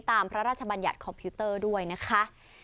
พระราชบัญญัติคอมพิวเตอร์ด้วยนะคะ